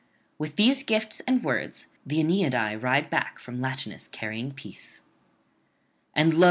With these gifts and words the Aeneadae ride back from Latinus carrying peace. And lo!